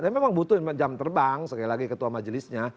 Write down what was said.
tapi memang butuh jam terbang sekali lagi ketua majelisnya